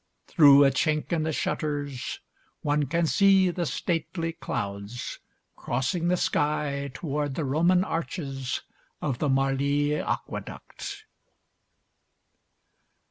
Through a chink in the shutters, one can see the stately clouds crossing the sky toward the Roman arches of the Marly Aqueduct.